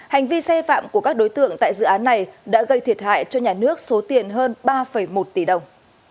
hành vi sai phạm của các đối tượng tại dự án này đã gây thiệt hại cho nhà nước số tiền hơn ba một tỷ đồng